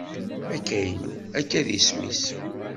Akaynu, akka i disem-is.